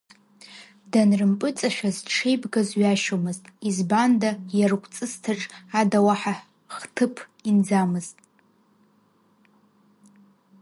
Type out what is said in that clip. Данрымпыҵашәаз дшеибгаз ҩашьомызт, избанда иаргәҵысҭаҿ ада уаҳа хҭыԥ инӡамызт.